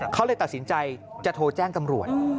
เขาเลยตัดสินใจจะโทรแจ้งตำรวจ